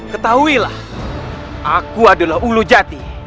ketahuilah aku adalah ulu jati